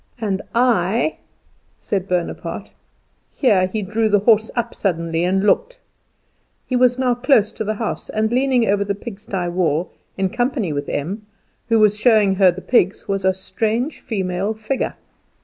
And I " said Bonaparte. Here he drew the horse up suddenly and looked. He was now close to the house, and leaning over the pigsty wall, in company with Em, who was showing her the pigs, was a strange female figure.